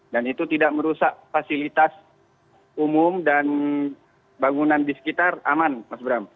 dan itu tidak merusak fasilitas umum dan bangunan di sekitar aman mas bram